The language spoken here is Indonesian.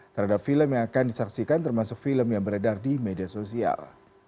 terhadap film yang akan disaksikan termasuk film yang beredar di media sosial